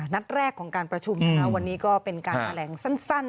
นัดแรกของการประชุมนะคะวันนี้ก็เป็นการแถลงสั้น